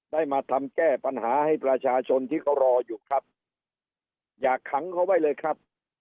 ได้มาทำแก้ปัญหาให้ประชาชนที่เขารออยู่ครับอย่าขังเขาไว้เลยครับ